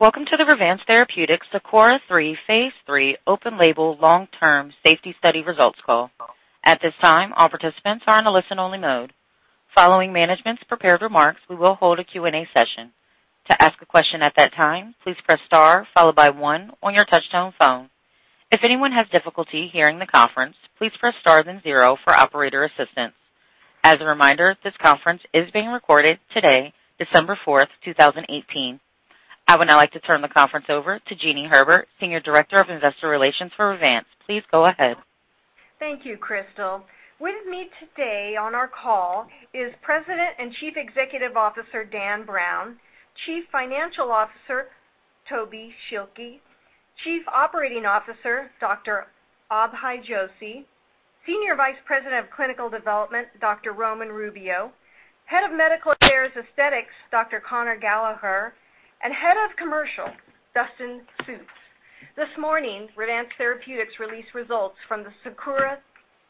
Welcome to the Revance Therapeutics SAKURA 3, phase III open-label long-term safety study results call. At this time, all participants are in a listen-only mode. Following management's prepared remarks, we will hold a Q&A session. To ask a question at that time, please press star, followed by one on your touchtone phone. If anyone has difficulty hearing the conference, please press star then zero for operator assistance. As a reminder, this conference is being recorded today, December 4th, 2018. I would now like to turn the conference over to Jeanie D. Herbert, Senior Director of Investor Relations for Revance. Please go ahead. Thank you, Crystal. With me today on our call is President and Chief Executive Officer, Dan Browne, Chief Financial Officer, Tobin Schilke, Chief Operating Officer, Dr. Abhay Joshi, Senior Vice President of Clinical Development, Dr. Roman Rubio, Head of Medical Affairs Aesthetics, Dr. Conor Gallagher, and Head of Commercial, Dustin Sjuts. This morning, Revance Therapeutics released results from the SAKURA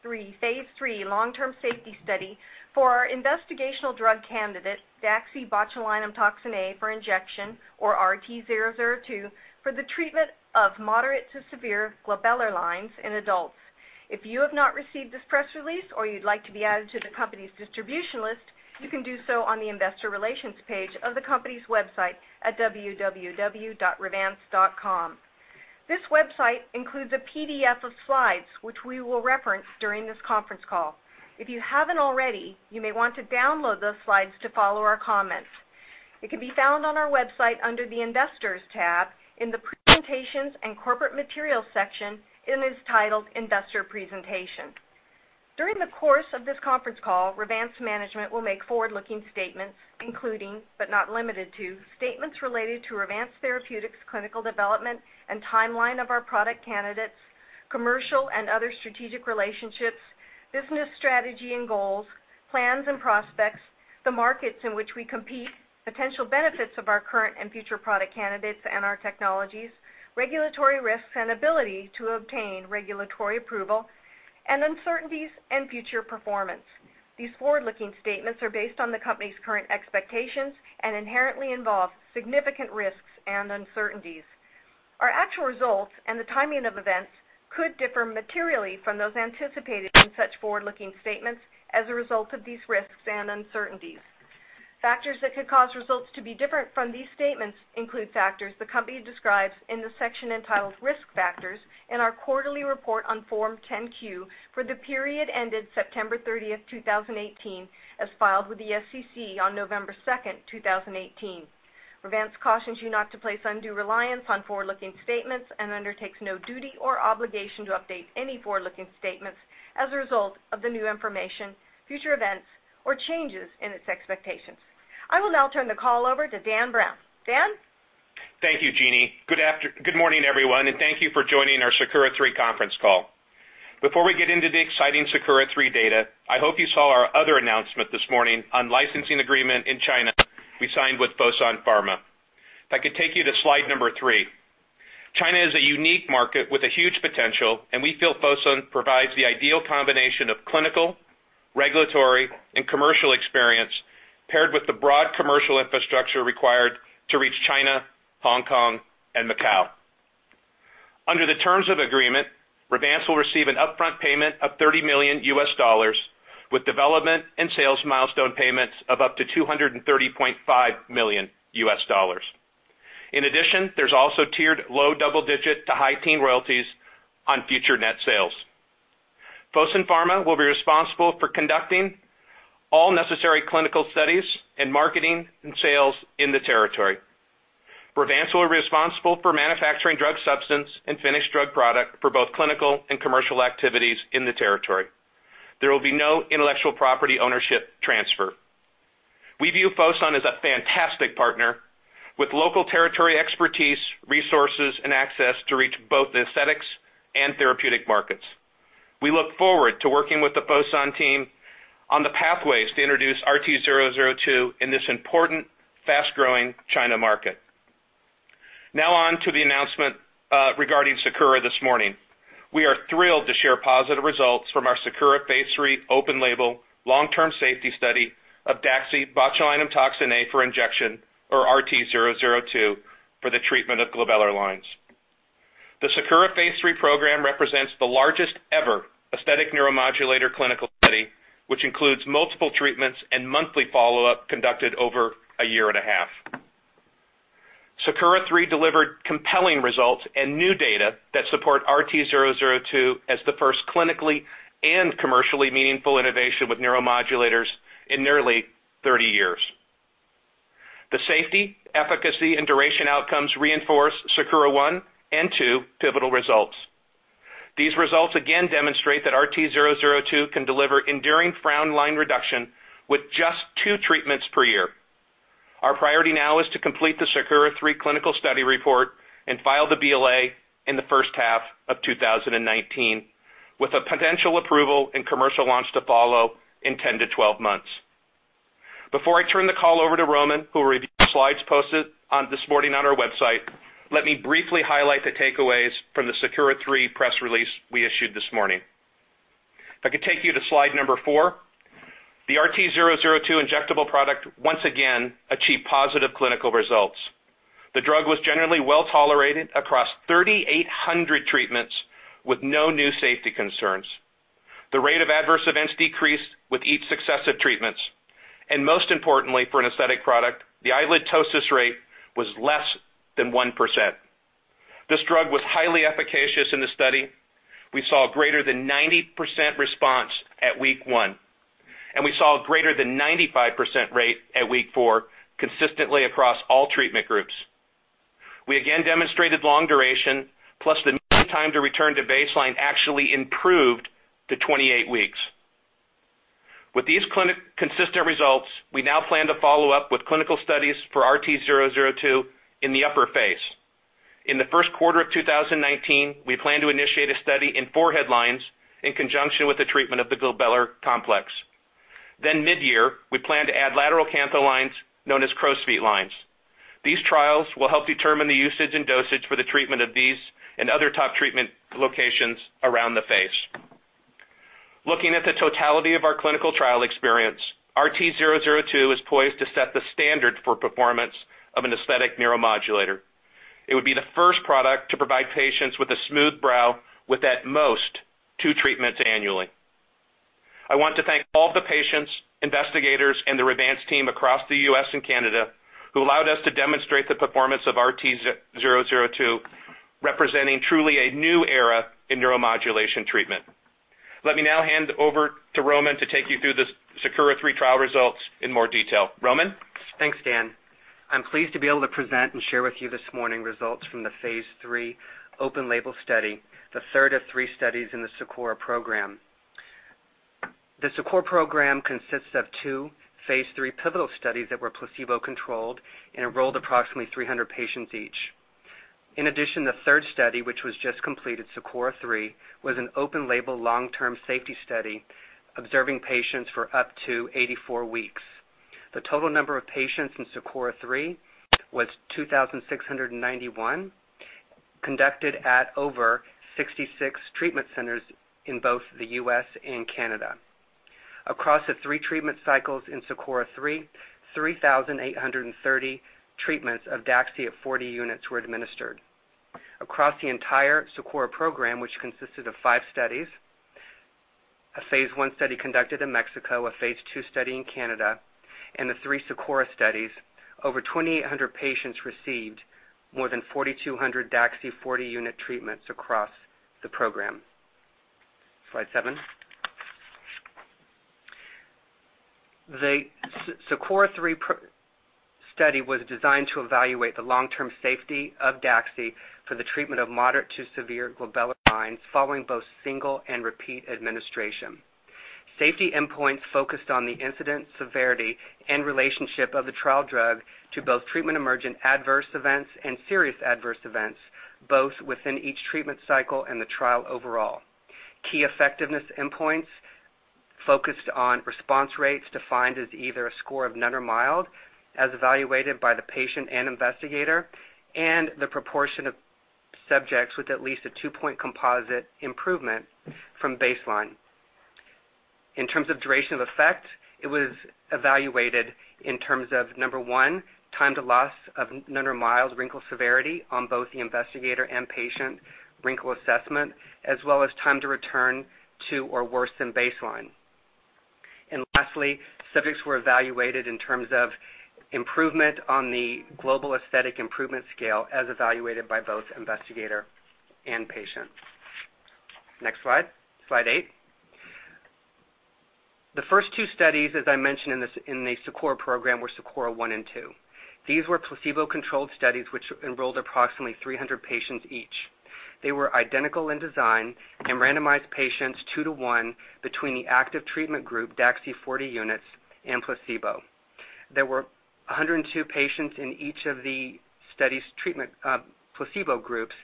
3, phase III long-term safety study for our investigational drug candidate, daxibotulinumtoxinA for injection, or RT002, for the treatment of moderate to severe glabellar lines in adults. If you have not received this press release, or you'd like to be added to the company's distribution list, you can do so on the investor relations page of the company's website at www.revance.com. This website includes a PDF of slides, which we will reference during this conference call. If you haven't already, you may want to download those slides to follow our comments. It can be found on our website under the investors tab in the presentations and corporate materials section, and is titled Investor Presentation. During the course of this conference call, Revance management will make forward-looking statements including, but not limited to, statements related to Revance Therapeutics clinical development and timeline of our product candidates, commercial and other strategic relationships, business strategy and goals, plans and prospects, the markets in which we compete, potential benefits of our current and future product candidates and our technologies, regulatory risks and ability to obtain regulatory approval, and uncertainties and future performance. These forward-looking statements are based on the company current expectations and inherently involve significant risks and uncertainties. Our actual results and the timing of events could differ materially from those anticipated in such forward-looking statements as a result of these risks and uncertainties. Factors that could cause results to be different from these statements include factors the company describes in the section entitled Risk Factors in our quarterly report on Form 10-Q for the period ended September 30th, 2018, as filed with the SEC on November 2nd, 2018. Revance cautions you not to place undue reliance on forward-looking statements and undertakes no duty or obligation to update any forward-looking statements as a result of the new information, future events, or changes in its expectations. I will now turn the call over to Dan Browne. Dan? Thank you, Jeanie. Good morning, everyone, and thank you for joining our SAKURA 3 conference call. Before we get into the exciting SAKURA 3 data, I hope you saw our other announcement this morning on licensing agreement in China we signed with Fosun Pharma. If I could take you to slide number three. China is a unique market with a huge potential, and we feel Fosun provides the ideal combination of clinical, regulatory, and commercial experience paired with the broad commercial infrastructure required to reach China, Hong Kong, and Macau. Under the terms of agreement, Revance will receive an upfront payment of $30 million with development and sales milestone payments of up to $230.5 million. In addition, there's also tiered low double-digit to high-teen royalties on future net sales. Fosun Pharma will be responsible for conducting all necessary clinical studies in marketing and sales in the territory. Revance will be responsible for manufacturing drug substance and finished drug product for both clinical and commercial activities in the territory. There will be no intellectual property ownership transfer. We view Fosun as a fantastic partner with local territory expertise, resources, and access to reach both the aesthetics and therapeutic markets. We look forward to working with the Fosun team on the pathways to introduce RT002 in this important, fast-growing China market. Now on to the announcement regarding SAKURA this morning. We are thrilled to share positive results from our SAKURA phase III open-label long-term safety study of daxibotulinumtoxinA for injection, or RT002, for the treatment of glabellar lines. The SAKURA phase III program represents the largest ever aesthetic neuromodulator clinical study, which includes multiple treatments and monthly follow-up conducted over a year and a half. SAKURA 3 delivered compelling results and new data that support RT002 as the first clinically and commercially meaningful innovation with neuromodulators in nearly 30 years. The safety, efficacy, and duration outcomes reinforce SAKURA 1 and SAKURA 2 pivotal results. These results again demonstrate that RT002 can deliver enduring frown-line reduction with just two treatments per year. Our priority now is to complete the SAKURA 3 clinical study report and file the BLA in the first half of 2019, with a potential approval and commercial launch to follow in 10-12 months. Before I turn the call over to Roman, who will review the slides posted this morning on our website, let me briefly highlight the takeaways from the SAKURA 3 press release we issued this morning. If I could take you to slide number four. The RT002 injectable product, once again, achieved positive clinical results. The drug was generally well-tolerated across 3,800 treatments with no new safety concerns. The rate of adverse events decreased with each successive treatment. Most importantly for an aesthetic product, the eyelid ptosis rate was less than 1%. This drug was highly efficacious in the study. We saw greater than 90% response at week one, and we saw a greater than 95% rate at week four consistently across all treatment groups. We again demonstrated long duration, plus the mean time to return to baseline actually improved to 28 weeks. With these consistent results, we now plan to follow up with clinical studies for RT002 in the upper face. In the first quarter of 2019, we plan to initiate a study in forehead lines in conjunction with the treatment of the glabella complex. Mid-year, we plan to add lateral canthal lines, known as crow's feet lines. These trials will help determine the usage and dosage for the treatment of these and other top treatment locations around the face. Looking at the totality of our clinical trial experience, RT002 is poised to set the standard for performance of an aesthetic neuromodulator. It would be the first product to provide patients with a smooth brow with, at most, two treatments annually. I want to thank all the patients, investigators, and the Revance team across the U.S. and Canada who allowed us to demonstrate the performance of RT002, representing truly a new era in neuromodulation treatment. Let me now hand over to Roman to take you through the SAKURA 3 trial results in more detail. Roman? Thanks, Dan. I'm pleased to be able to present and share with you this morning results from the phase III open label study, the third of three studies in the SAKURA program. The SAKURA program consists of two phase III pivotal studies that were placebo controlled and enrolled approximately 300 patients each. In addition, the third study, which was just completed, SAKURA 3, was an open label long-term safety study observing patients for up to 84 weeks. The total number of patients in SAKURA 3 was 2,691, conducted at over 66 treatment centers in both the U.S. and Canada. Across the three treatment cycles in SAKURA 3,830 treatments of DAXXIFY at 40 units were administered. Across the entire SAKURA program, which consisted of five studies, a phase I study conducted in Mexico, a phase II study in Canada, and the three SAKURA studies, over 2,800 patients received more than 4,200 DAXXIFY 40 unit treatments across the program. Slide seven. The SAKURA 3 study was designed to evaluate the long-term safety of DAXXIFY for the treatment of moderate to severe glabellar lines following both single and repeat administration. Safety endpoints focused on the incident, severity, and relationship of the trial drug to both treatment-emergent adverse events and serious adverse events, both within each treatment cycle and the trial overall. Key effectiveness endpoints focused on response rates defined as either a score of none or mild, as evaluated by the patient and investigator, and the proportion of subjects with at least a two-point composite improvement from baseline. In terms of duration of effect, it was evaluated in terms of, number one, time to loss of none or mild wrinkle severity on both the investigator and patient wrinkle assessment, as well as time to return to or worse than baseline. Lastly, subjects were evaluated in terms of improvement on the Global Aesthetic Improvement Scale as evaluated by both investigator and patient. Next slide eight. The first two studies, as I mentioned, in the SAKURA program were SAKURA 1 and SAKURA 2. These were placebo-controlled studies which enrolled approximately 300 patients each. They were identical in design and randomized patients two to one between the active treatment group, DAXXIFY 40 units, and placebo. There were 102 patients in each of the study's placebo groups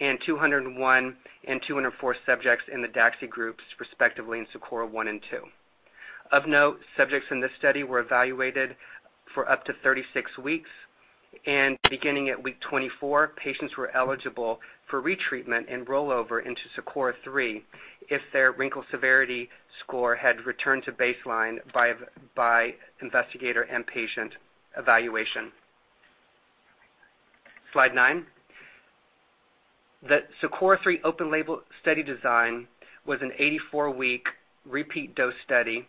and 201 and 204 subjects in the DAXXIFY groups, respectively, in SAKURA 1 and SAKURA 2. Of note, subjects in this study were evaluated for up to 36 weeks. Beginning at week 24, patients were eligible for retreatment and rollover into SAKURA 3 if their wrinkle severity score had returned to baseline by investigator and patient evaluation. Slide nine. The SAKURA 3 open-label study design was an 84-week repeat dose study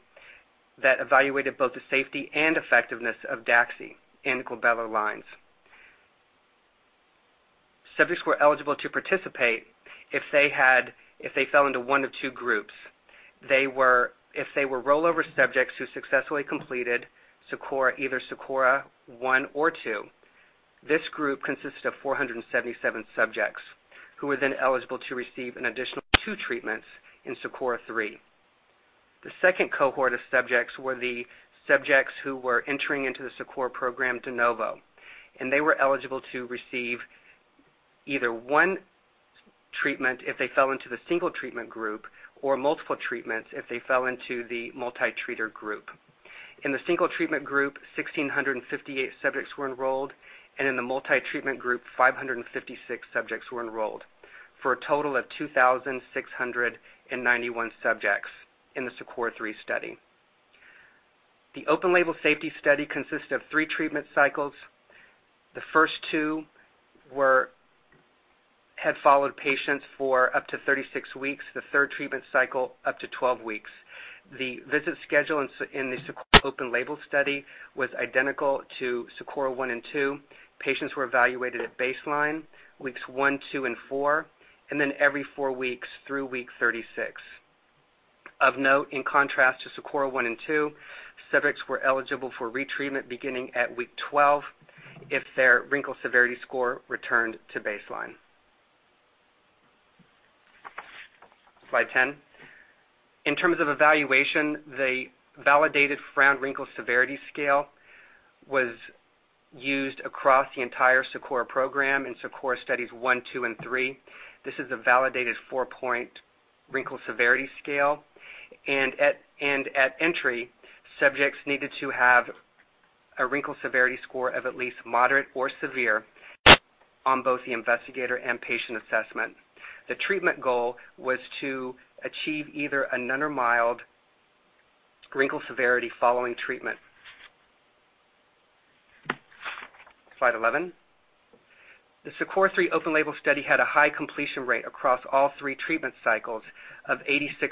that evaluated both the safety and effectiveness of DAXXIFY in glabellar lines. Subjects were eligible to participate if they fell into one of two groups. If they were rollover subjects who successfully completed either SAKURA 1 or SAKURA 2. This group consisted of 477 subjects who were then eligible to receive an additional two treatments in SAKURA 3. The second cohort of subjects were the subjects who were entering into the SAKURA program de novo. They were eligible to receive either one treatment if they fell into the single treatment group, or multiple treatments if they fell into the multi-treater group. In the single treatment group, 1,658 subjects were enrolled. In the multi-treatment group, 556 subjects were enrolled, for a total of 2,691 subjects in the SAKURA 3 study. The open-label safety study consisted of three treatment cycles. The first two had followed patients for up to 36 weeks, the third treatment cycle up to 12 weeks. The visit schedule in the SAKURA open-label study was identical to SAKURA 1 and SAKURA 2. Patients were evaluated at baseline, weeks one, two, and four, and then every four weeks through week 36. Of note, in contrast to SAKURA 1 and SAKURA 2, subjects were eligible for retreatment beginning at week 12 if their wrinkle severity score returned to baseline. Slide 10. In terms of evaluation, the validated Frown Wrinkle Severity scale was used across the entire SAKURA program in SAKURA studies 1, 2, and 3. This is a validated four-point wrinkle severity scale. At entry, subjects needed to have a wrinkle severity score of at least moderate or severe on both the investigator and patient assessment. The treatment goal was to achieve either a none or mild wrinkle severity following treatment. Slide 11. The SAKURA 3 open-label study had a high completion rate across all three treatment cycles of 86%.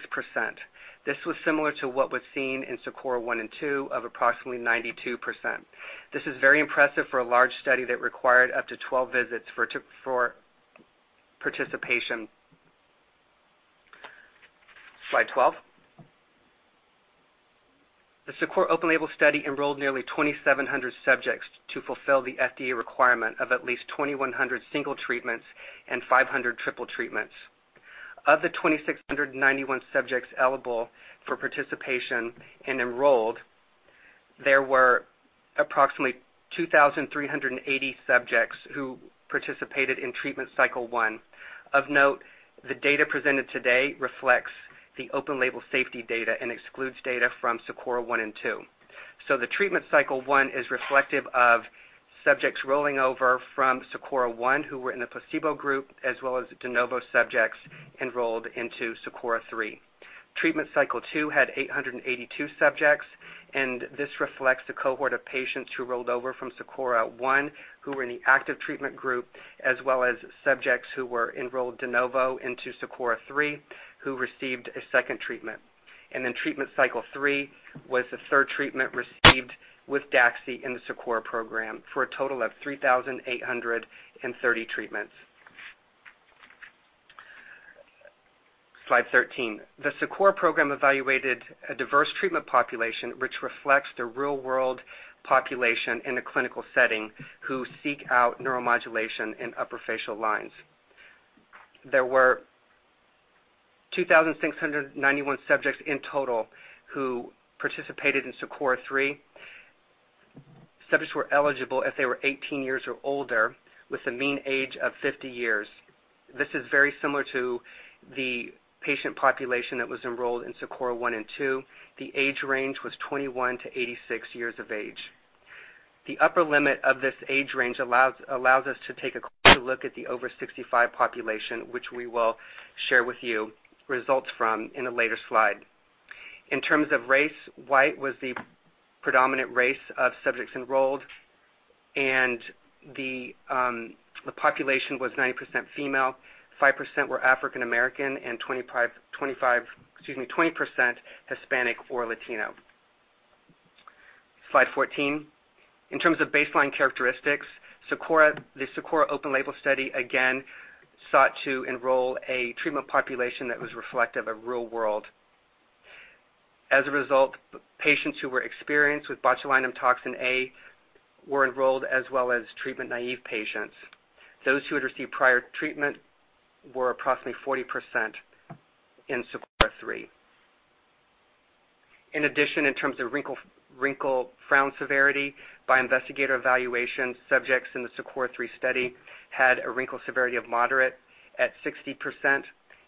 This was similar to what was seen in SAKURA 1 and SAKURA 2 of approximately 92%. This is very impressive for a large study that required up to 12 visits for participation. Slide 12. The SAKURA open-label study enrolled nearly 2,700 subjects to fulfill the FDA requirement of at least 2,100 single treatments and 500 triple treatments. Of the 2,691 subjects eligible for participation and enrolled, there were approximately 2,380 subjects who participated in treatment cycle one. Of note, the data presented today reflects the open-label safety data and excludes data from SAKURA 1 and SAKURA 2. So the treatment cycle one is reflective of subjects rolling over from SAKURA 1 who were in the placebo group, as well as de novo subjects enrolled into SAKURA 3. Treatment cycle two had 882 subjects, and this reflects the cohort of patients who rolled over from SAKURA 1, who were in the active treatment group, as well as subjects who were enrolled de novo into SAKURA 3, who received a second treatment. Treatment cycle three was the third treatment received with DAXXIFY in the SAKURA program for a total of 3,830 treatments. Slide 13. The SAKURA program evaluated a diverse treatment population, which reflects the real-world population in a clinical setting who seek out neuromodulation in upper facial lines. There were 2,691 subjects in total who participated in SAKURA 3. Subjects were eligible if they were 18 years or older with a mean age of 50 years. This is very similar to the patient population that was enrolled in SAKURA 1 and 2. The age range was 21 to 86 years of age. The upper limit of this age range allows us to take a closer look at the over 65 population, which we will share with you results from in a later slide. In terms of race, white was the predominant race of subjects enrolled, the population was 90% female, 5% were African American, and 20% Hispanic or Latino. Slide 14. In terms of baseline characteristics, the SAKURA open-label study again sought to enroll a treatment population that was reflective of real-world. As a result, patients who were experienced with botulinum toxin A were enrolled, as well as treatment-naive patients. Those who had received prior treatment were approximately 40% in SAKURA 3. In addition, in terms of wrinkle frown severity by investigator evaluation, subjects in the SAKURA 3 study had a wrinkle severity of moderate at 60%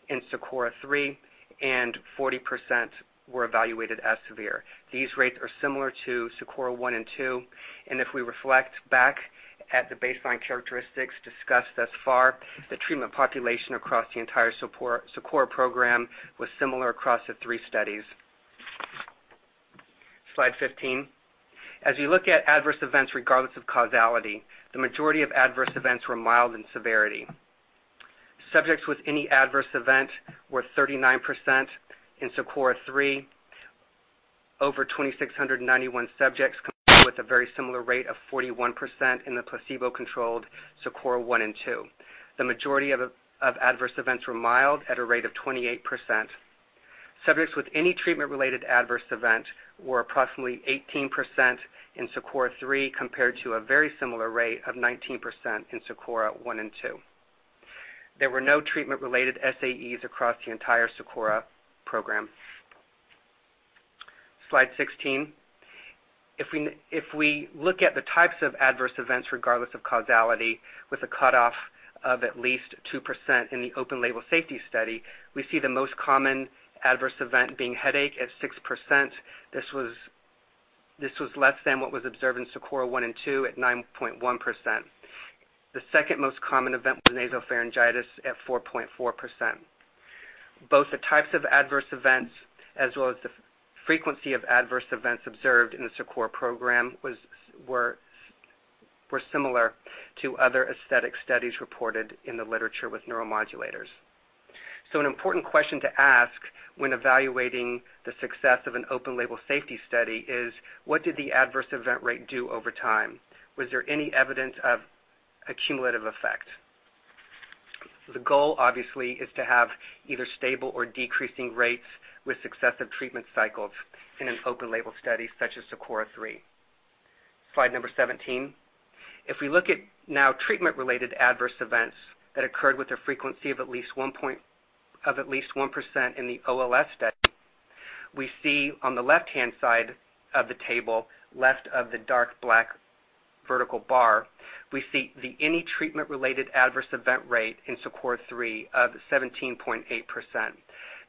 in SAKURA 3 and 40% were evaluated as severe. These rates are similar to SAKURA 1 and SAKURA 2, and if we reflect back at the baseline characteristics discussed thus far, the treatment population across the entire SAKURA program was similar across the three studies. Slide 15. As you look at adverse events, regardless of causality, the majority of adverse events were mild in severity. Subjects with any adverse event were 39% in SAKURA 3. Over 2,691 subjects compared with a very similar rate of 41% in the placebo-controlled SAKURA 1 and SAKURA 2. The majority of adverse events were mild at a rate of 28%. Subjects with any treatment-related adverse event were approximately 18% in SAKURA 3, compared to a very similar rate of 19% in SAKURA 1 and 2. There were no treatment-related SAEs across the entire SAKURA program. Slide 16. If we look at the types of adverse events, regardless of causality, with a cutoff of at least 2% in the open-label safety study, we see the most common adverse event being headache at 6%. This was less than what was observed in SAKURA 1 and SAKURA 2 at 9.1%. The second most common event was nasopharyngitis at 4.4%. Both the types of adverse events as well as the frequency of adverse events observed in the SAKURA program were similar to other aesthetic studies reported in the literature with neuromodulators. An important question to ask when evaluating the success of an open-label safety study is: what did the adverse event rate do over time? Was there any evidence of a cumulative effect? The goal, obviously, is to have either stable or decreasing rates with successive treatment cycles in an open-label study such as SAKURA 3. Slide number 17. If we look at now treatment-related adverse events that occurred with a frequency of at least 1% in the OLS study, we see on the left-hand side of the table, left of the dark black vertical bar, we see the any treatment-related adverse event rate in SAKURA 3 of 17.8%.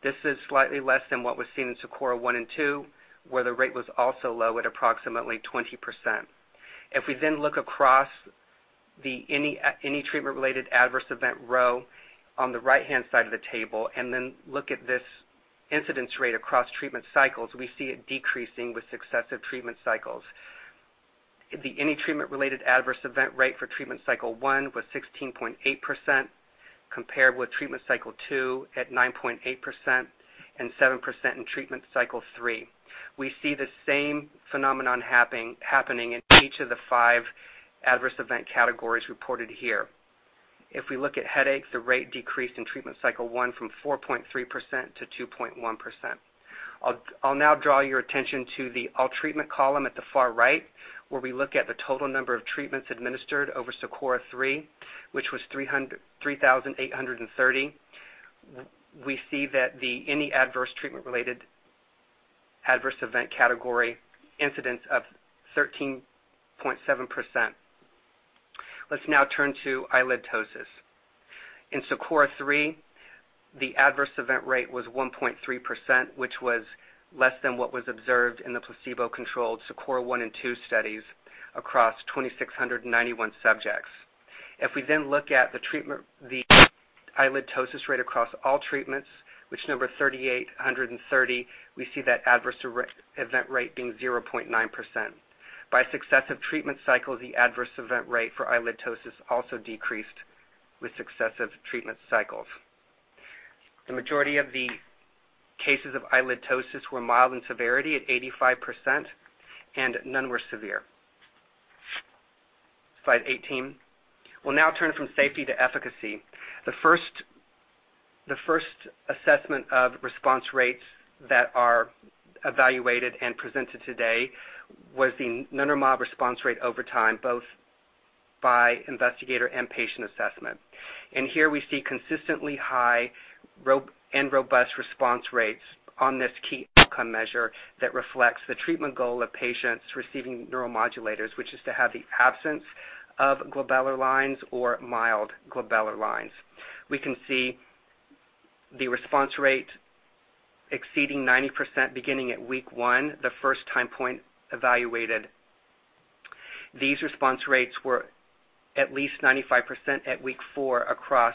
This is slightly less than what was seen in SAKURA 1 and SAKURA 2, where the rate was also low at approximately 20%. If we then look across the any treatment-related adverse event row on the right-hand side of the table, and then look at this incidence rate across treatment cycles, we see it decreasing with successive treatment cycles. The any treatment-related adverse event rate for treatment cycle one was 16.8%, compared with treatment cycle two at 9.8% and 7% in treatment cycle three. We see the same phenomenon happening in each of the five adverse event categories reported here. If we look at headaches, the rate decreased in treatment cycle one from 4.3%-2.1%. I'll now draw your attention to the all treatment column at the far right, where we look at the total number of treatments administered over SAKURA 3, which was 3,830. We see that the any adverse treatment-related adverse event category incidence of 13.7%. Let's now turn to eyelid ptosis. In SAKURA 3, the adverse event rate was 1.3%, which was less than what was observed in the placebo-controlled SAKURA 1 and SAKURA 2 studies across 2,691 subjects. If we then look at the eyelid ptosis rate across all treatments, which number 3,830, we see that adverse event rate being 0.9%. By successive treatment cycles, the adverse event rate for eyelid ptosis also decreased with successive treatment cycles. The majority of the cases of eyelid ptosis were mild in severity at 85%, and none were severe. Slide 18. We'll now turn from safety to efficacy. The first assessment of response rates that are evaluated and presented today was the none or mild response rate over time, both by investigator and patient assessment. Here we see consistently high and robust response rates on this key outcome measure that reflects the treatment goal of patients receiving neuromodulators, which is to have the absence of glabellar lines or mild glabellar lines. We can see the response rate exceeding 90% beginning at week one, the first time point evaluated. These response rates were at least 95% at week four across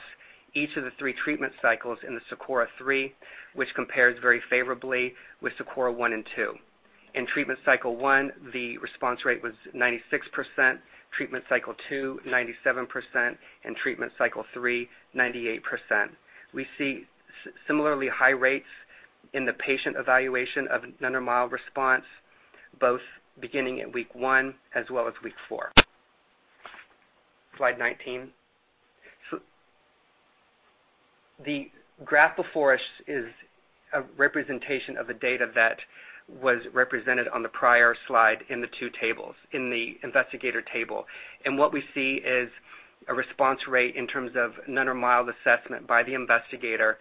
each of the 3 treatment cycles in the SAKURA 3, which compares very favorably with SAKURA 1 and SAKURA 2. In treatment cycle one, the response rate was 96%, treatment cycle two, 97%, and treatment cycle three, 98%. We see similarly high rates in the patient evaluation of none or mild response, both beginning at week one as well as week four. Slide 19. The graph before us is a representation of the data that was represented on the prior slide in the two tables, in the investigator table. What we see is a response rate in terms of none or mild assessment by the investigator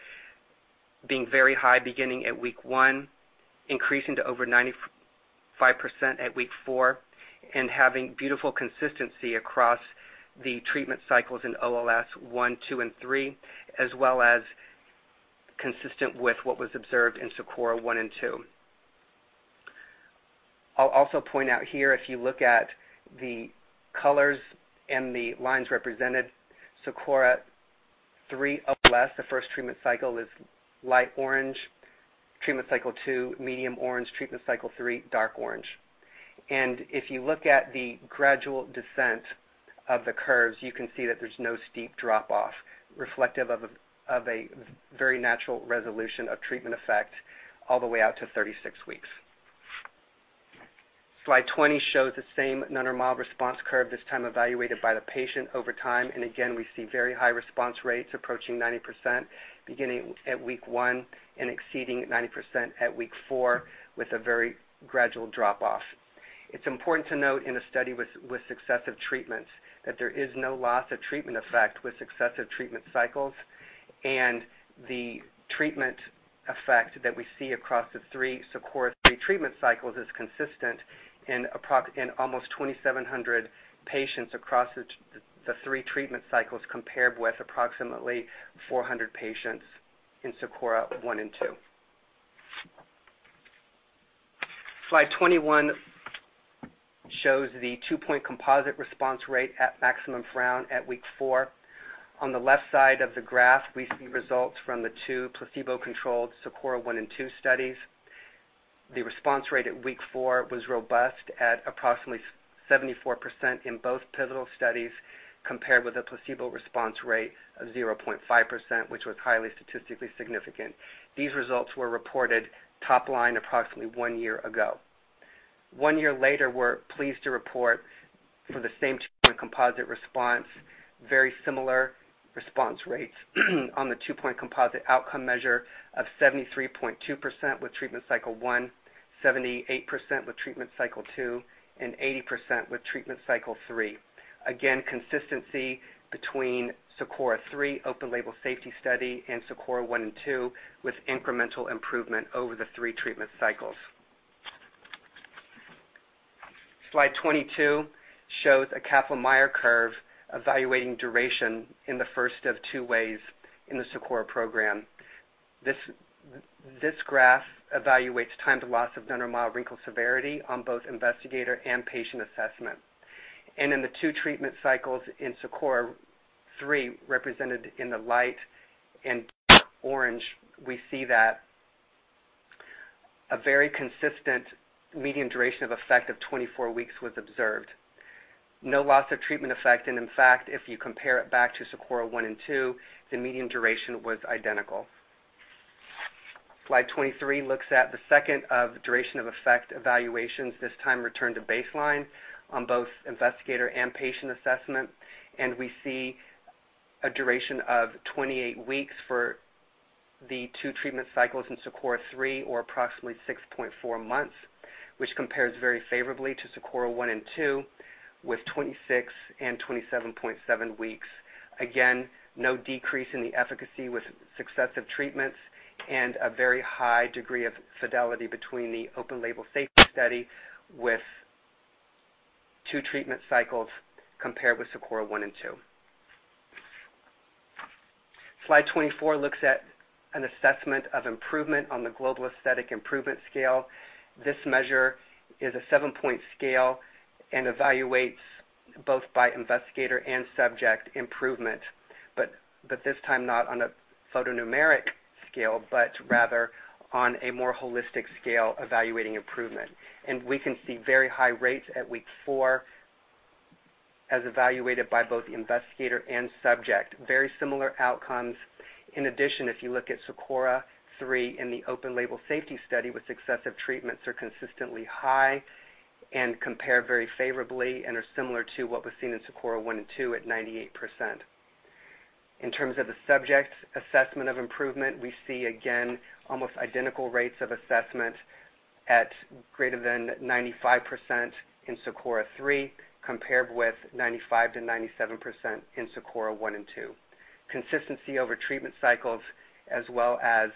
being very high beginning at week one, increasing to over 95% at week four, and having beautiful consistency across the treatment cycles in OLS 1, 2, and 3, as well as consistent with what was observed in SAKURA 1 and SAKURA 2. I'll also point out here, if you look at the colors and the lines represented, SAKURA 3 OLS, the first treatment cycle is light orange, treatment cycle two, medium orange, treatment cycle three, dark orange. If you look at the gradual descent of the curves, you can see that there's no steep drop-off, reflective of a very natural resolution of treatment effect all the way out to 36 weeks. Slide 20 shows the same none or mild response curve, this time evaluated by the patient over time. Again, we see very high response rates approaching 90%, beginning at week one and exceeding 90% at week four with a very gradual drop-off. It's important to note in a study with successive treatments that there is no loss of treatment effect with successive treatment cycles. The treatment effect that we see across the three SAKURA treatment cycles is consistent in almost 2,700 patients across the three treatment cycles, compared with approximately 400 patients in SAKURA 1 and SAKURA 2. Slide 21 shows the two-point composite response rate at maximum frown at week four. On the left side of the graph, we see results from the two placebo-controlled SAKURA 1 and SAKURA 2 studies. The response rate at week four was robust at approximately 74% in both pivotal studies, compared with a placebo response rate of 0.5%, which was highly statistically significant. These results were reported top line approximately one year ago. One year later, we're pleased to report for the same two-point composite response, very similar response rates on the two-point composite outcome measure of 73.2% with Treatment Cycle 1, 78% with Treatment Cycle 2, and 80% with Treatment Cycle 3. Again, consistency between SAKURA 3 open-label safety study and SAKURA 1 and SAKURA 2, with incremental improvement over the three treatment cycles. Slide 22 shows a Kaplan-Meier curve evaluating duration in the first of two ways in the SAKURA program. This graph evaluates time to loss of nominal wrinkle severity on both investigator and patient assessment. In the two treatment cycles in SAKURA 3, represented in the light and orange, we see that a very consistent median duration of effect of 24 weeks was observed. No loss of treatment effect, and in fact, if you compare it back to SAKURA 1 and SAKURA 2, the median duration was identical. Slide 23 looks at the second of the duration of effect evaluations, this time return to baseline on both investigator and patient assessment. We see a duration of 28 weeks for the two treatment cycles in SAKURA 3, or approximately 6.4 months, which compares very favorably to SAKURA 1 and SAKURA 2 with 26 and 27.7 weeks. No decrease in the efficacy with successive treatments and a very high degree of fidelity between the open-label safety study with two treatment cycles compared with SAKURA 1 and SAKURA 2. Slide 24 looks at an assessment of improvement on the Global Aesthetic Improvement Scale. This measure is a seven-point scale and evaluates both by investigator and subject improvement. This time, not on a photo numeric scale, but rather on a more holistic scale evaluating improvement. We can see very high rates at week four as evaluated by both the investigator and subject. Very similar outcomes. In addition, if you look at SAKURA 3 in the open-label safety study with successive treatments are consistently high and compare very favorably and are similar to what was seen in SAKURA 1 and SAKURA 2 at 98%. In terms of the subject's assessment of improvement, we see again almost identical rates of assessment at greater than 95% in SAKURA 3, compared with 95%-97% in SAKURA 1 and SAKURA 2. Consistency over treatment cycles, as well as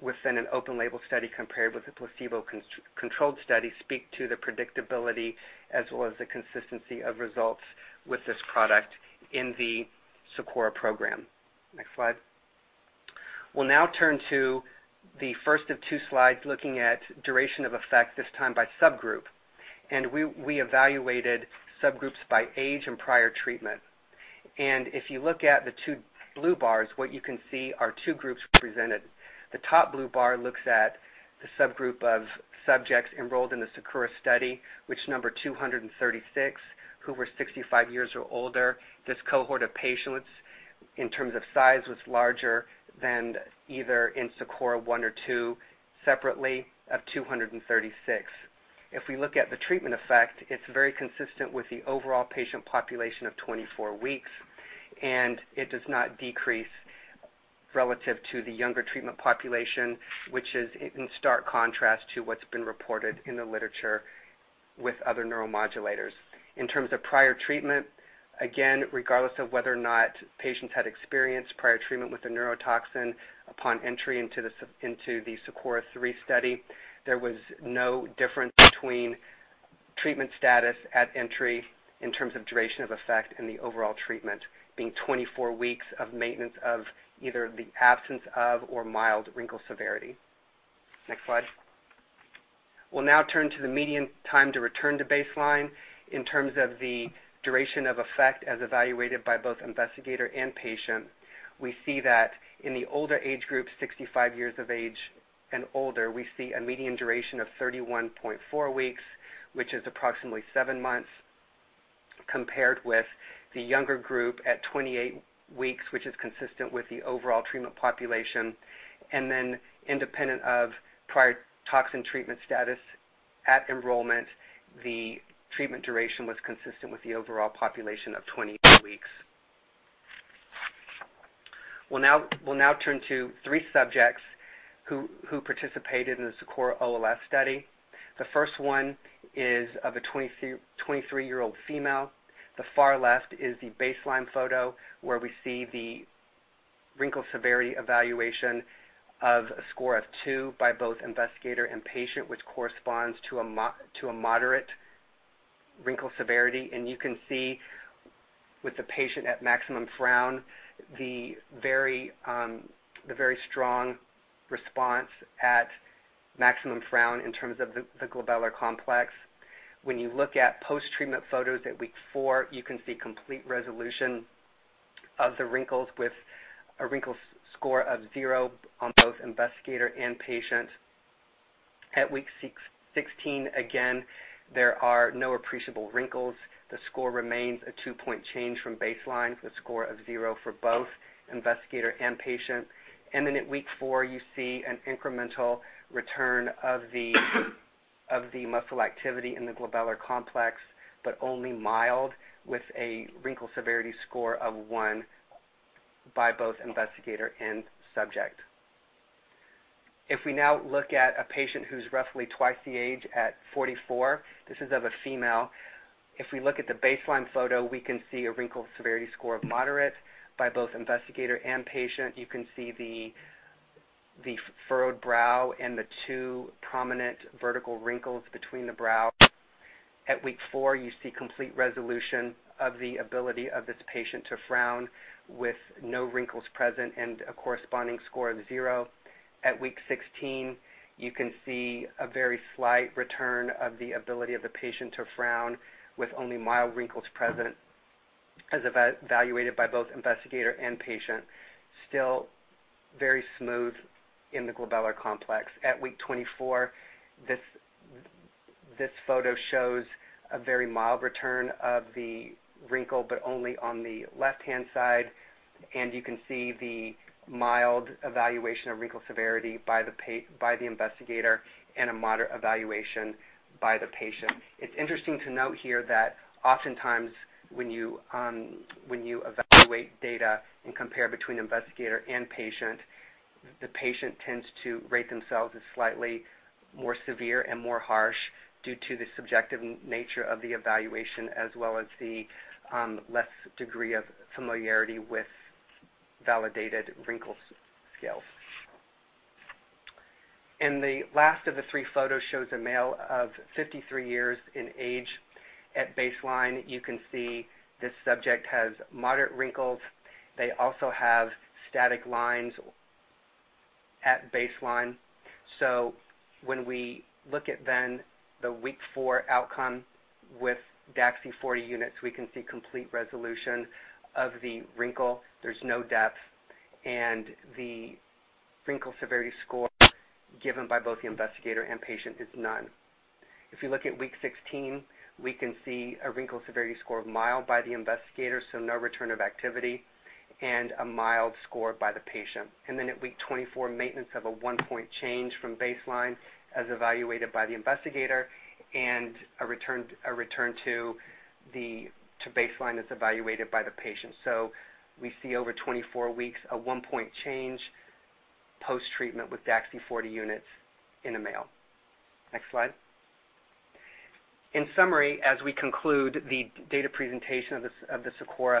within an open-label study compared with a placebo-controlled study, speak to the predictability as well as the consistency of results with this product in the SAKURA program. Next slide. We will now turn to the first of two slides looking at duration of effect, this time by subgroup. We evaluated subgroups by age and prior treatment. If you look at the two blue bars, what you can see are two groups represented. The top blue bar looks at the subgroup of subjects enrolled in the SAKURA study, which number 236, who were 65 years or older. This cohort of patients, in terms of size, was larger than either in SAKURA 1 or SAKURA 2 separately of 236. If we look at the treatment effect, it is very consistent with the overall patient population of 24 weeks. It does not decrease relative to the younger treatment population, which is in stark contrast to what has been reported in the literature with other neuromodulators. In terms of prior treatment, again, regardless of whether or not patients had experienced prior treatment with a neurotoxin upon entry into the SAKURA 3 study, there was no difference between treatment status at entry in terms of duration of effect and the overall treatment being 24 weeks of maintenance of either the absence of or mild wrinkle severity. Next slide. We will now turn to the median time to return to baseline in terms of the duration of effect as evaluated by both investigator and patient. We see that in the older age group, 65 years of age and older, we see a median duration of 31.4 weeks, which is approximately seven months, compared with the younger group at 28 weeks, which is consistent with the overall treatment population. Independent of prior toxin treatment status at enrollment, the treatment duration was consistent with the overall population of 28 weeks. We will now turn to three subjects who participated in the SAKURA OLS study. The first one is of a 23-year-old female. The far left is the baseline photo, where we see the wrinkle severity evaluation of a score of two by both investigator and patient, which corresponds to a moderate wrinkle severity. You can see with the patient at maximum frown, the very strong response at maximum frown in terms of the glabella complex. When you look at post-treatment photos at week four, you can see complete resolution of the wrinkles with a wrinkle score of zero on both investigator and patient. At week 16, again, there are no appreciable wrinkles. The score remains a two-point change from baseline, with a score of zero for both investigator and patient. Then at week four, you see an incremental return of the muscle activity in the glabella complex, but only mild, with a wrinkle severity score of one by both investigator and subject. If we now look at a patient who's roughly twice the age, at 44. This is of a female. If we look at the baseline photo, we can see a wrinkle severity score of moderate by both investigator and patient. You can see the furrowed brow and the two prominent vertical wrinkles between the brow. At week four, you see complete resolution of the ability of this patient to frown, with no wrinkles present and a corresponding score of zero. At week 16, you can see a very slight return of the ability of the patient to frown, with only mild wrinkles present, as evaluated by both investigator and patient. Still very smooth in the glabella complex. At week 24, this photo shows a very mild return of the wrinkle, but only on the left-hand side, and you can see the mild evaluation of wrinkle severity by the investigator and a moderate evaluation by the patient. It's interesting to note here that oftentimes, when you evaluate data and compare between investigator and patient, the patient tends to rate themselves as slightly more severe and more harsh due to the subjective nature of the evaluation, as well as the less degree of familiarity with validated wrinkle scales. The last of the three photos shows a male of 53 years in age. At baseline, you can see this subject has moderate wrinkles. They also have static lines at baseline. When we look at then the week four outcome with DAXXIFY 40 Units, we can see complete resolution of the wrinkle. There's no depth, and the wrinkle severity score given by both the investigator and patient is none. If you look at week 16, we can see a wrinkle severity score of mild by the investigator, so no return of activity, and a mild score by the patient. Then at week 24, maintenance of a one-point change from baseline as evaluated by the investigator and a return to baseline as evaluated by the patient. We see over 24 weeks, a one-point change post-treatment with DAXXIFY 40 Units in a male. Next slide. In summary, as we conclude the data presentation of the SAKURA 3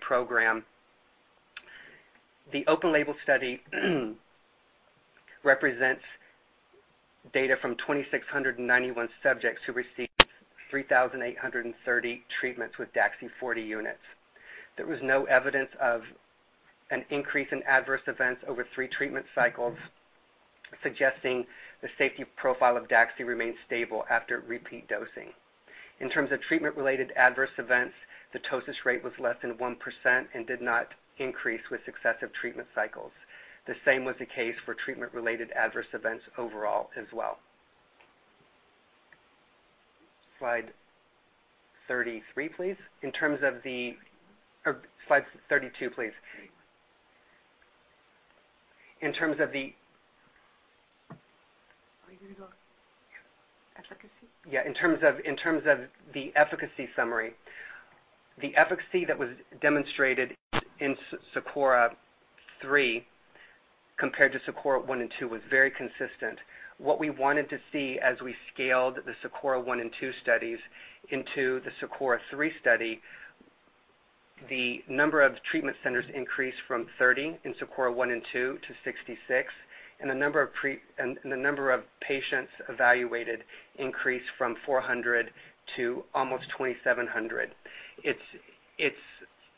program, the open-label study represents data from 2,691 subjects who received 3,830 treatments with DAXXIFY 40 Units. There was no evidence of an increase in adverse events over three treatment cycles, suggesting the safety profile of Daxy remains stable after repeat dosing. In terms of treatment-related adverse events, the ptosis rate was less than 1% and did not increase with successive treatment cycles. The same was the case for treatment-related adverse events overall as well. Slide 33, please. Or slide 32, please. 31. In terms of the- Are you going to go efficacy? Yeah. In terms of the efficacy summary. The efficacy that was demonstrated in SAKURA 3 compared to SAKURA 1 and SAKURA 2 was very consistent. What we wanted to see as we scaled the SAKURA 1 and SAKURA 2 studies into the SAKURA 3 study, the number of treatment centers increased from 30 in SAKURA 1 and SAKURA 2 to 66, and the number of patients evaluated increased from 400 to almost 2,700. It's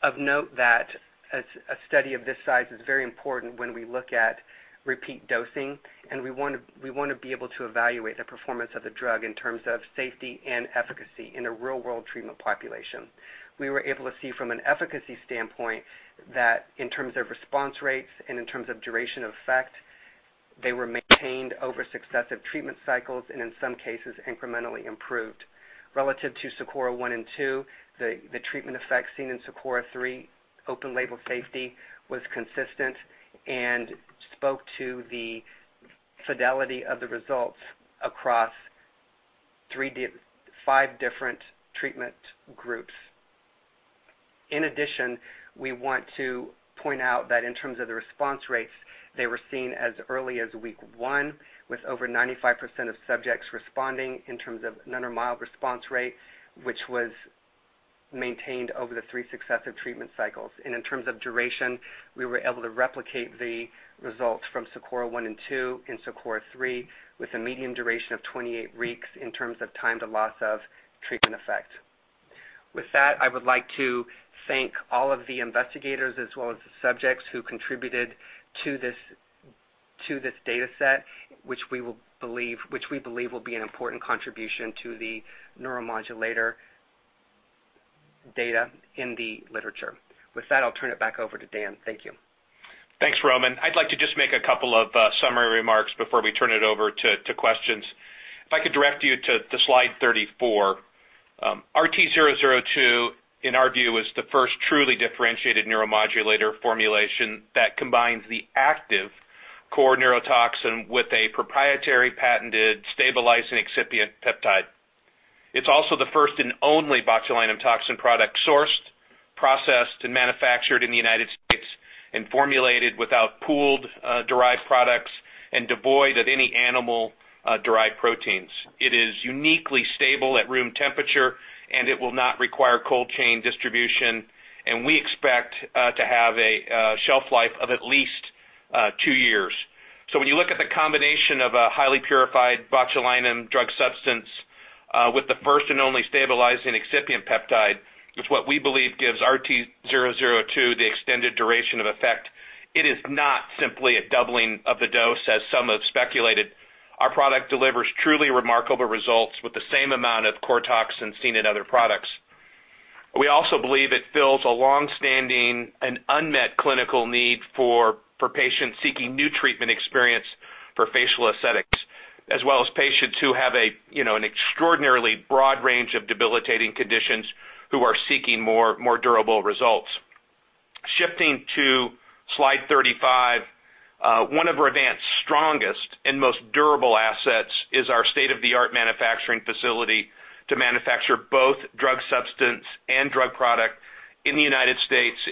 of note that a study of this size is very important when we look at repeat dosing, and we want to be able to evaluate the performance of the drug in terms of safety and efficacy in a real-world treatment population. We were able to see from an efficacy standpoint that in terms of response rates and in terms of duration of effect, they were maintained over successive treatment cycles and in some cases, incrementally improved. Relative to SAKURA 1 and SAKURA 2, the treatment effects seen in SAKURA 3 open-label phase III was consistent and spoke to the fidelity of the results across five different treatment groups. In addition, we want to point out that in terms of the response rates, they were seen as early as week one, with over 95% of subjects responding in terms of none or mild response rate, which was maintained over the three successive treatment cycles. In terms of duration, we were able to replicate the results from SAKURA 1 and 2 in SAKURA 3 with a median duration of 28 weeks in terms of time to loss of treatment effect. With that, I would like to thank all of the investigators as well as the subjects who contributed to this data set, which we believe will be an important contribution to the neuromodulator data in the literature. With that, I'll turn it back over to Dan. Thank you. Thanks, Roman. I'd like to just make a couple of summary remarks before we turn it over to questions. If I could direct you to slide 34. RT002, in our view, is the first truly differentiated neuromodulator formulation that combines the active core neurotoxin with a proprietary patented stabilizing excipient peptide. It's also the first and only botulinum toxin product sourced, processed, and manufactured in the U.S. and formulated without pooled derived products and devoid of any animal-derived proteins. It is uniquely stable at room temperature, and it will not require cold chain distribution, and we expect to have a shelf life of at least two years. When you look at the combination of a highly purified botulinum drug substance with the first and only stabilizing excipient peptide, it's what we believe gives RT002 the extended duration of effect. It is not simply a doubling of the dose, as some have speculated. Our product delivers truly remarkable results with the same amount of core toxin seen in other products. We also believe it fills a longstanding and unmet clinical need for patients seeking new treatment experience for facial aesthetics, as well as patients who have an extraordinarily broad range of debilitating conditions who are seeking more durable results. Shifting to Slide 35. One of Revance's strongest and most durable assets is our state-of-the-art manufacturing facility to manufacture both drug substance and drug product in the U.S.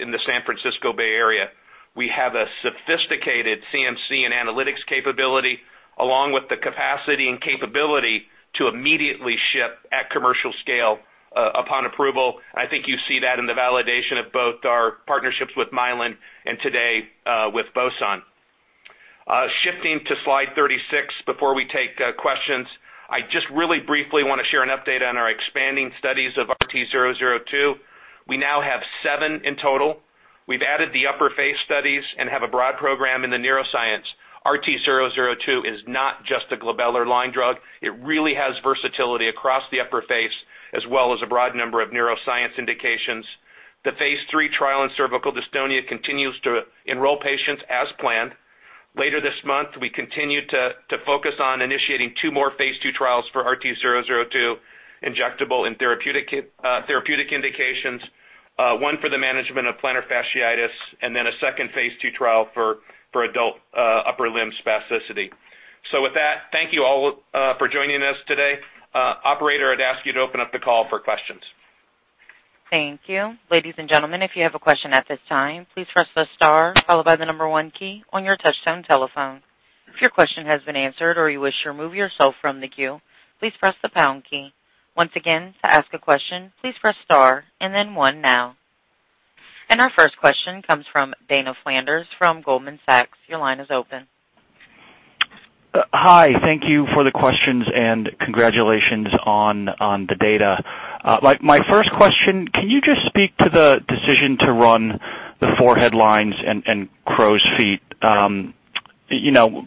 in the San Francisco Bay Area. We have a sophisticated CMC and analytics capability, along with the capacity and capability to immediately ship at commercial scale upon approval. I think you see that in the validation of both our partnerships with Mylan and today with Fosun. Shifting to Slide 36 before we take questions. I just really briefly want to share an update on our expanding studies of RT002. We now have seven in total. We've added the upper face studies and have a broad program in the neuroscience. RT002 is not just a glabellar line drug. It really has versatility across the upper face as well as a broad number of neuroscience indications. The phase III trial in cervical dystonia continues to enroll patients as planned. Later this month, we continue to focus on initiating two more phase II trials for RT002 injectable in therapeutic indications. One for the management of plantar fasciitis and then a second phase II trial for adult upper limb spasticity. With that, thank you all for joining us today. Operator, I'd ask you to open up the call for questions. Thank you. Ladies and gentlemen, if you have a question at this time, please press the star followed by the number one key on your touchtone telephone. If your question has been answered or you wish to remove yourself from the queue, please press the pound key. Once again, to ask a question, please press star and then one now. Our first question comes from Dana Flanders from Goldman Sachs. Your line is open. Hi. Thank you for the questions and congratulations on the data. My first question, can you just speak to the decision to run the forehead lines and crow's feet?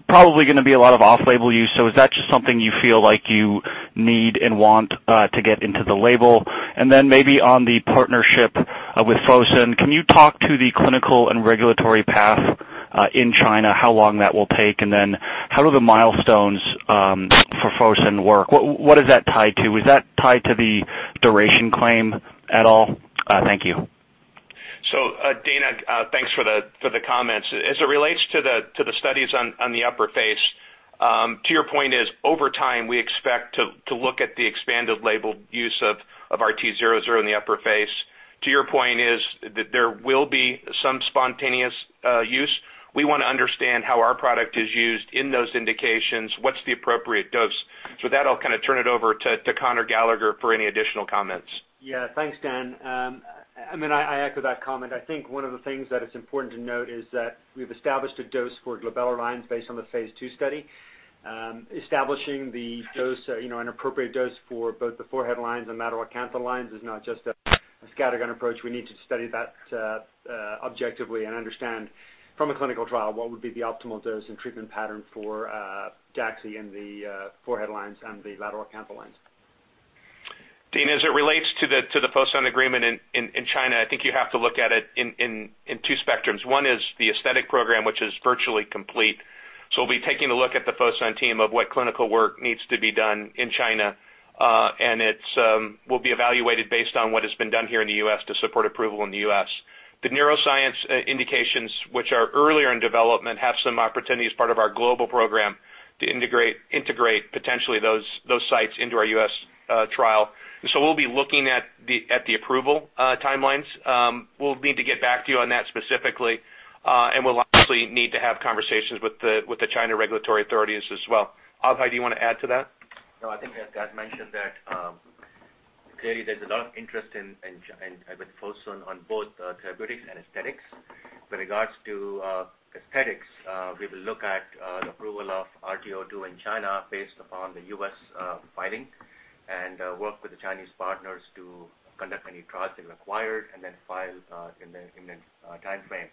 Probably going to be a lot of off-label use, is that just something you feel like you need and want to get into the label? Then maybe on the partnership with Fosun, can you talk to the clinical and regulatory path in China, how long that will take? Then how do the milestones for Fosun work? What is that tied to? Is that tied to the duration claim at all? Thank you. Dana, thanks for the comments. As it relates to the studies on the upper face, to your point is, over time we expect to look at the expanded label use of RT002 in the upper face. To your point is that there will be some spontaneous use. We want to understand how our product is used in those indications, what's the appropriate dose. With that, I'll turn it over to Conor Gallagher for any additional comments. Thanks, Dan. I mean, I echo that comment. I think one of the things that it's important to note is that we've established a dose for glabellar lines based on the phase II study. Establishing the dose, an appropriate dose for both the forehead lines and lateral canthal lines is not just a scattergun approach. We need to study that objectively and understand from a clinical trial what would be the optimal dose and treatment pattern for DAXXIFY in the forehead lines and the lateral canthal lines. Dana, as it relates to the Fosun agreement in China, I think you have to look at it in two spectrums. One is the aesthetic program, which is virtually complete. We'll be taking a look at the Fosun team of what clinical work needs to be done in China. It will be evaluated based on what has been done here in the U.S. to support approval in the U.S. The neuroscience indications which are earlier in development have some opportunity as part of our global program to integrate potentially those sites into our U.S. trial. We'll be looking at the approval timelines. We'll need to get back to you on that specifically, and we'll obviously need to have conversations with the China regulatory authorities as well. Abhay, do you want to add to that? I think as Dan mentioned that clearly there's a lot of interest in, with Fosun on both therapeutics and aesthetics. With regards to aesthetics, we will look at the approval of RT002 in China based upon the U.S. filing and work with the Chinese partners to conduct any trials they require and then file in the timeframe.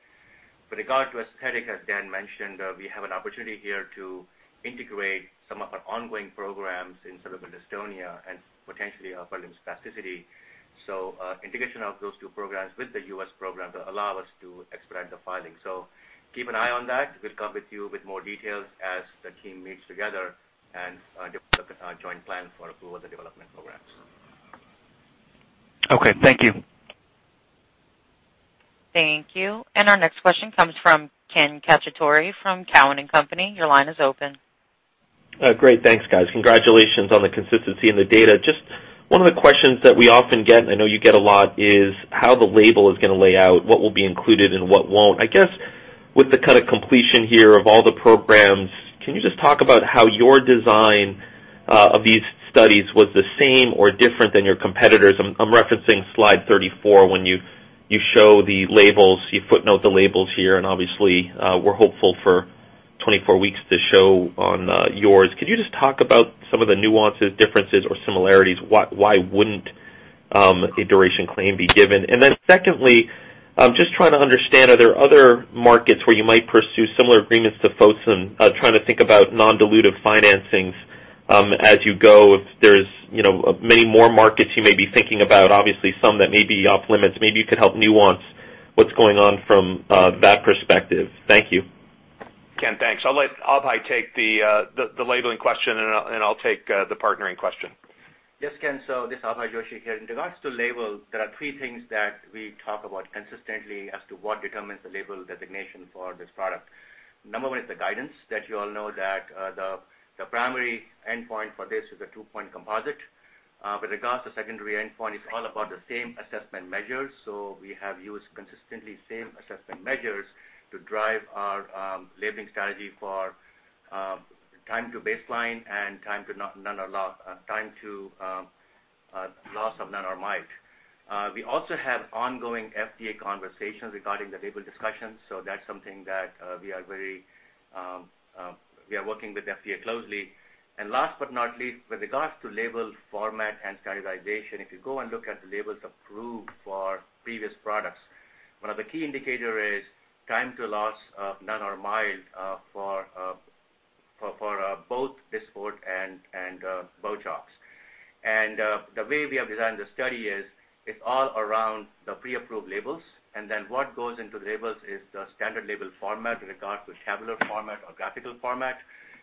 With regard to aesthetics, as Dan mentioned, we have an opportunity here to integrate some of our ongoing programs in cervical dystonia and potentially upper limb spasticity. Integration of those two programs with the U.S. program will allow us to expedite the filing. Keep an eye on that. We'll come with you with more details as the team meets together and develop a joint plan for approval of the development programs. Okey, thank you. Thank you. Our next question comes from Ken Cacciatore from Cowen and Company. Your line is open. Great. Thanks, guys. Congratulations on the consistency in the data. Just one of the questions that we often get, and I know you get a lot, is how the label is going to lay out what will be included and what won't. I guess with the kind of completion here of all the programs, can you just talk about how your design of these studies was the same or different than your competitors? I'm referencing slide 34 when you show the labels, you footnote the labels here, and obviously, we're hopeful for 24 weeks to show on yours. Could you just talk about some of the nuances, differences, or similarities? Why wouldn't a duration claim be given? Secondly, just trying to understand, are there other markets where you might pursue similar agreements to Fosun? Trying to think about non-dilutive financings as you go, if there's many more markets you may be thinking about, obviously some that may be off limits. Maybe you could help nuance what's going on from that perspective. Thank you. Ken, thanks. I'll let Abhay take the labeling question, and I'll take the partnering question. Yes, Ken, this is Abhay Joshi here. In regards to label, there are three things that we talk about consistently as to what determines the label designation for this product. Number one is the guidance that you all know that the primary endpoint for this is a two-point composite. With regards to secondary endpoint, it's all about the same assessment measures. We have used consistently the same assessment measures to drive our labeling strategy for time to baseline and time to loss of none or mild. We also have ongoing FDA conversations regarding the label discussions, so that's something that we are working with FDA closely. Last but not least, with regards to label format and standardization, if you go and look at the labels approved for previous products, one of the key indicator is time to loss of none or mild for both Dysport and BOTOX. The way we have designed the study is it's all around the pre-approved labels, and then what goes into the labels is the standard label format with regards to tabular format or graphical format.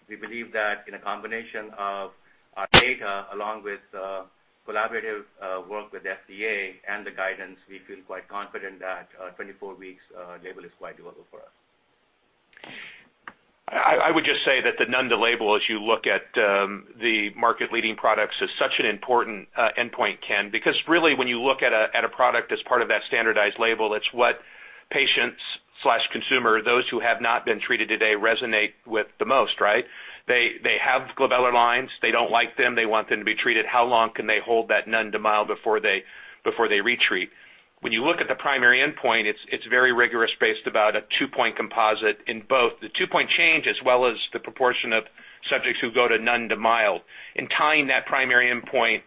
We believe that in a combination of our data along with collaborative work with FDA and the guidance, we feel quite confident that a 24 weeks label is quite doable for us. I would just say that the none to label as you look at the market leading products is such an important endpoint, Ken, because really when you look at a product as part of that standardized label, it's what patients/consumer, those who have not been treated today resonate with the most, right? They have glabellar lines. They don't like them. They want them to be treated. How long can they hold that none to mild before they retreat? When you look at the primary endpoint, it's very rigorous based about a two-point composite in both the two-point change as well as the proportion of subjects who go to none to mild. Tying that primary endpoint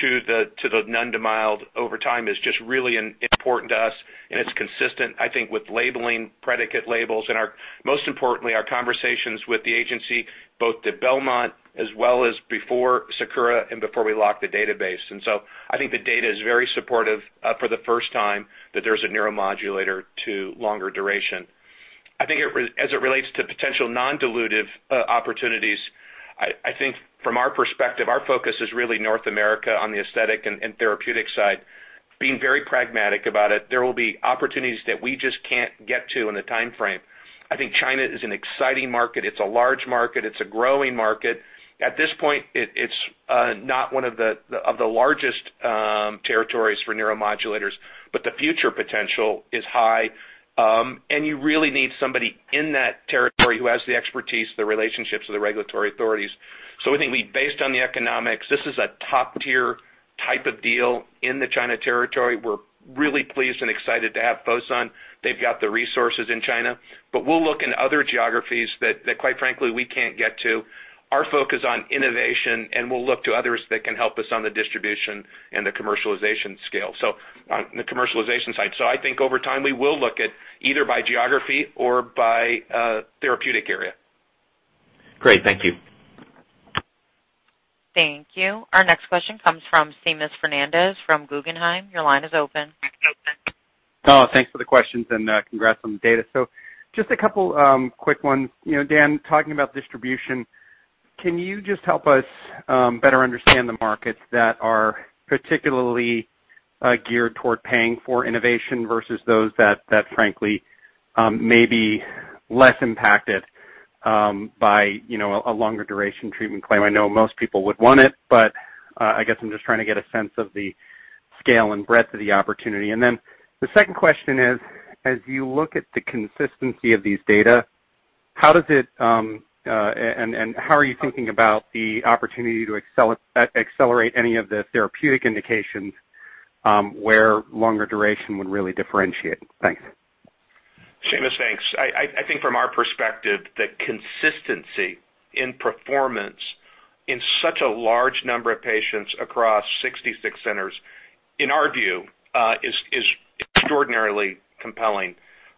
to the none to mild over time is just really important to us, and it's consistent, I think, with labeling, predicate labels, and most importantly, our conversations with the agency, both at Belmont as well as before SAKURA and before we locked the database. I think the data is very supportive for the first time that there's a neuromodulator to longer duration. I think as it relates to potential non-dilutive opportunities, I think from our perspective, our focus is really North America on the aesthetic and therapeutic side. Being very pragmatic about it, there will be opportunities that we just can't get to in the timeframe. I think China is an exciting market. It's a large market. It's a growing market. At this point, it's not one of the largest territories for neuromodulators, but the future potential is high. You really need somebody in that territory who has the expertise, the relationships with the regulatory authorities. We think based on the economics, this is a top-tier type of deal in the China territory. We're really pleased and excited to have Fosun. They've got the resources in China. We'll look in other geographies that quite frankly, we can't get to. Our focus on innovation, and we'll look to others that can help us on the distribution and the commercialization scale. On the commercialization side. I think over time, we will look at either by geography or by therapeutic area. Great. Thank you. Thank you. Our next question comes from Seamus Fernandez from Guggenheim Securities. Your line is open. Thanks for the questions and congrats on the data. Just a couple quick ones. Dan, talking about distribution. Can you just help us better understand the markets that are particularly geared toward paying for innovation versus those that frankly may be less impacted by a longer duration treatment claim? I know most people would want it, but I guess I'm just trying to get a sense of the scale and breadth of the opportunity. Then the second question is: as you look at the consistency of these data, how are you thinking about the opportunity to accelerate any of the therapeutic indications where longer duration would really differentiate? Thanks. Seamus, thanks. From our perspective, the consistency in performance in such a large number of patients across 66 centers, in our view, is extraordinarily compelling.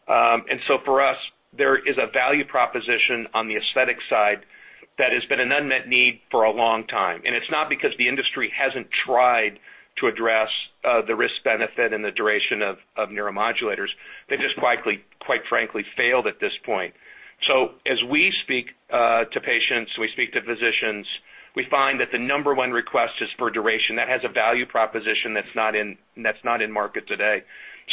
For us, there is a value proposition on the aesthetic side that has been an unmet need for a long time. It's not because the industry hasn't tried to address the risk-benefit and the duration of neuromodulators. They've just, quite frankly, failed at this point. As we speak to patients, we speak to physicians, we find that the number 1 request is for duration. That has a value proposition that's not in market today.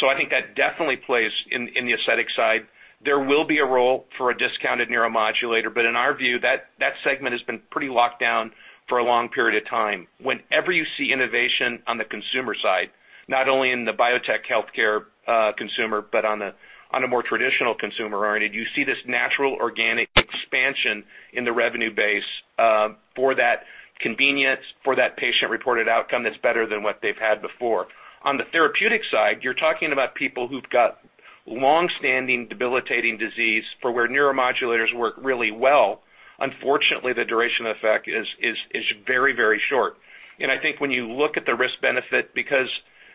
I think that definitely plays in the aesthetic side. There will be a role for a discounted neuromodulator, but in our view, that segment has been pretty locked down for a long period of time. Whenever you see innovation on the consumer side, not only in the biotech healthcare consumer, but on a more traditional consumer-oriented, you see this natural, organic expansion in the revenue base for that convenience, for that patient-reported outcome that's better than what they've had before. On the therapeutic side, you're talking about people who've got longstanding debilitating disease for where neuromodulators work really well. Unfortunately, the duration effect is very short. I think when you look at the risk-benefit, because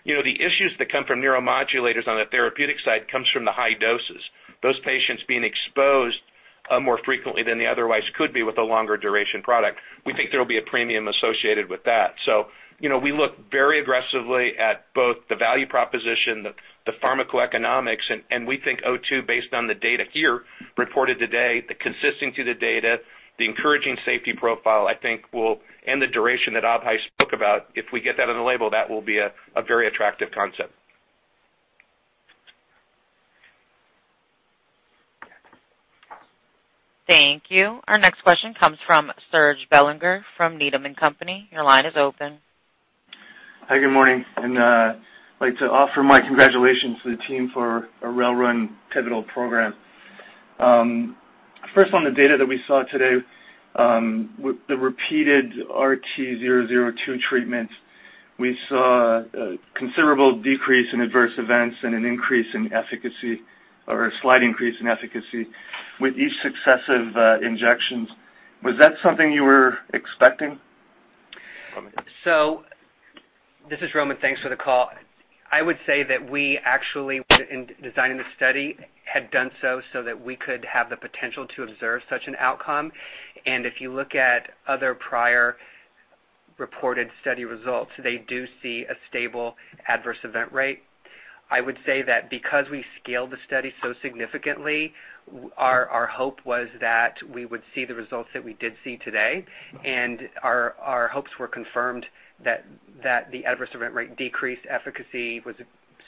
the issues that come from neuromodulators on the therapeutic side comes from the high doses. Those patients being exposed more frequently than they otherwise could be with a longer duration product. We think there will be a premium associated with that. We look very aggressively at both the value proposition, the pharmacoeconomics, and we think RT002, based on the data here reported today, the consistency of the data, the encouraging safety profile, and the duration that Abhay spoke about, if we get that on the label, that will be a very attractive concept. Thank you. Our next question comes from Serge Belanger from Needham & Company. Your line is open. Hi, good morning. I'd like to offer my congratulations to the team for a well-run pivotal program. First, on the data that we saw today, the repeated RT002 treatments. We saw a considerable decrease in adverse events and an increase in efficacy, or a slight increase in efficacy with each successive injections. Was that something you were expecting? This is Roman. Thanks for the call. I would say that we actually, in designing the study, had done so that we could have the potential to observe such an outcome. If you look at other prior reported study results, they do see a stable adverse event rate. I would say that because we scaled the study so significantly, our hope was that we would see the results that we did see today. Our hopes were confirmed that the adverse event rate decreased efficacy was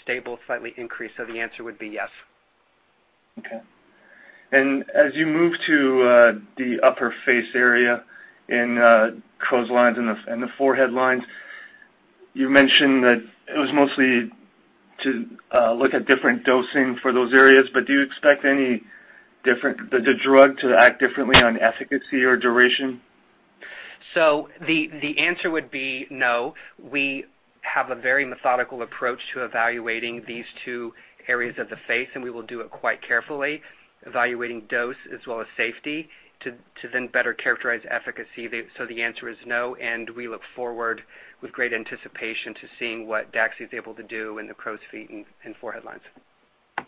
stable, slightly increased. The answer would be yes. Okay. As you move to the upper face area in crow's lines and the forehead lines, you mentioned that it was mostly to look at different dosing for those areas, do you expect the drug to act differently on efficacy or duration? The answer would be no. We have a very methodical approach to evaluating these two areas of the face, and we will do it quite carefully, evaluating dose as well as safety to then better characterize efficacy. The answer is no, and we look forward with great anticipation to seeing what DAXXIFY is able to do in the crow's feet and forehead lines.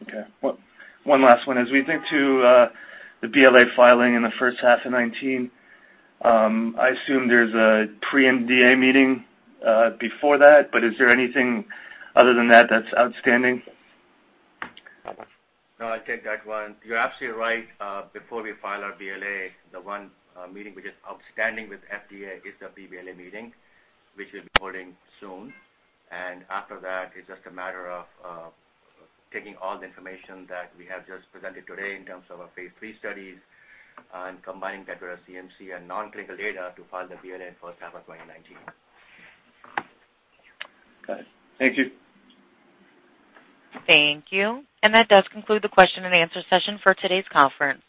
Okay. One last one. As we think to the BLA filing in the first half of 2019, I assume there's a pre-BLA meeting before that. Is there anything other than that that's outstanding? Abhay. No, I'll take that one. You're absolutely right. Before we file our BLA, the one meeting which is outstanding with FDA is the BLA meeting, which we'll be holding soon. After that, it's just a matter of taking all the information that we have just presented today in terms of our phase III studies and combining that with our CMC and non-clinical data to file the BLA in first half of 2019. Got it. Thank you. Thank you. That does conclude the question and answer session for today's conference.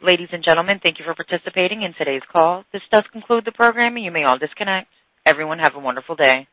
Ladies and gentlemen, thank you for participating in today's call. This does conclude the program. You may all disconnect. Everyone have a wonderful day.